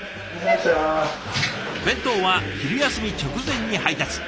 弁当は昼休み直前に配達。